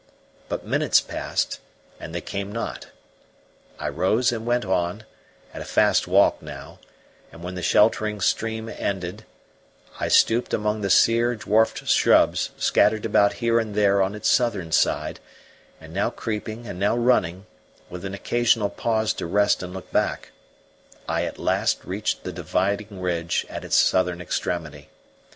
But minutes passed and they came not. I rose and went on, at a fast walk now, and when the sheltering streamed ended, I stooped among the sere dwarfed shrubs scattered about here and there on its southern side; and now creeping and now running, with an occasional pause to rest and look back, I at last reached the dividing ridge at its southern extremity.